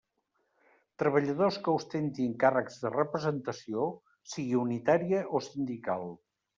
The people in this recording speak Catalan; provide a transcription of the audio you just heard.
Treballadors que ostentin càrrecs de representació, sigui unitària o sindical.